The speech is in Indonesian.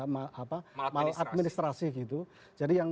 mal administrasi gitu jadi yang